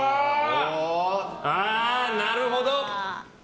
なるほど。